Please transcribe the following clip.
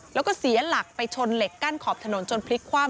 แล้วก็เสียหลักไปชนเหล็กกั้นขอบถนนจนพลิกคว่ำ